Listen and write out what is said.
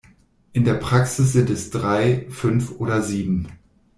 In der Praxis sind es drei, fünf oder sieben.